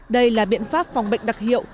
đây là biện pháp phòng bệnh đặc hiệu